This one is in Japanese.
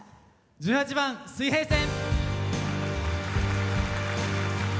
１８番「水平線」。